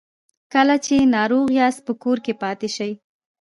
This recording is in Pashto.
کله چې ناروغ یاست په کور کې پاتې سئ